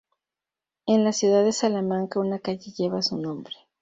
En la ciudad de Salamanca una calle lleva su nombre.